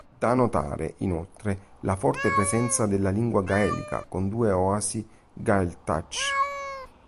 Da notare, inoltre, la forte presenza della lingua gaelica con due oasi "gaeltacht".